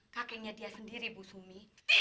kakeknya sendiri bu sumi